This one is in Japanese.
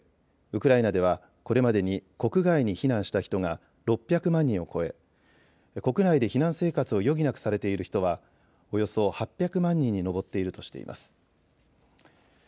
ウクライナではこれまでに国外に避難した人が６００万人を超え国内で避難生活を余儀なくされている人はおよそ８００万人に上っているとしています。